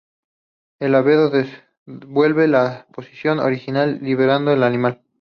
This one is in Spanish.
El labelo vuelve a su posición original liberando al animal.